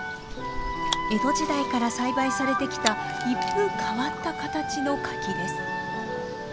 江戸時代から栽培されてきた一風変わった形の柿です。